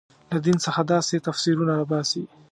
له دین څخه داسې تفسیرونه راباسي.